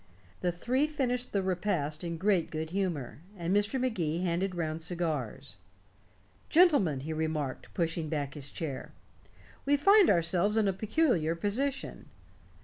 The three finished the repast in great good humor, and Mr. Magee handed round cigars. "Gentlemen," he remarked, pushing back his chair, "we find ourselves in a peculiar position.